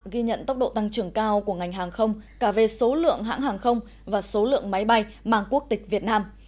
ghi nhận tốc độ tăng trưởng cao của ngành hàng không cả về số lượng hãng hàng không và số lượng máy bay mang quốc tịch việt nam